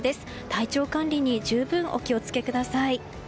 体調管理に十分お気を付けください。